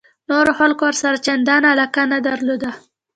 نورو خلکو ورسره چندان علاقه نه درلوده.